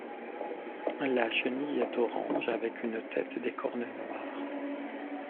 La chenille est orange avec une tête et des cornes noires.